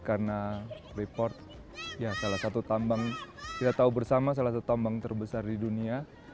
karena freeport salah satu tambang kita tahu bersama salah satu tambang terbesar di dunia